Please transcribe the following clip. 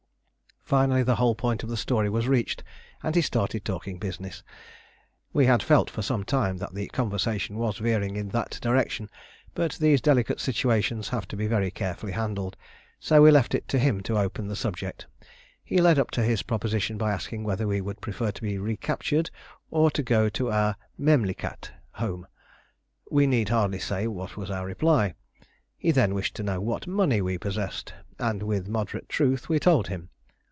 Finally the whole point of the story was reached, and he started talking business. We had felt for some time that the conversation was veering in that direction, but these delicate situations have to be very carefully handled; so we left it to him to open the subject. He led up to his proposition by asking whether we would prefer to be recaptured or to go to our "memlikat" (home). We need hardly say what was our reply. He then wished to know what money we possessed, and with moderate truth we told him.